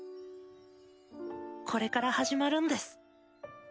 これから始まるんです。